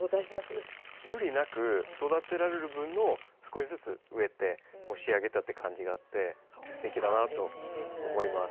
無理なく育てられる分のを少しずつ植えて仕上げたっていう感じがあってすてきだなと思います。